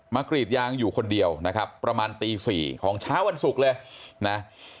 กรีดยางอยู่คนเดียวนะครับประมาณตี๔ของเช้าวันศุกร์เลยนะ